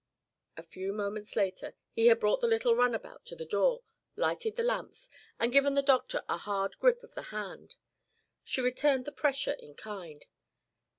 A few moments later he had brought the little runabout to the door, lighted the lamps, and given the doctor a hard grip of the hand. She returned the pressure in kind.